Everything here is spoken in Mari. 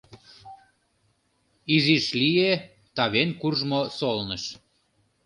Изиш лие — тавен куржмо солныш.